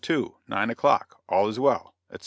2, nine o'clock, all is well!" etc.